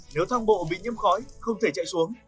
nếu thang bộ bị nhiễm khói không thể chạy xuống